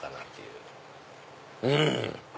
うん！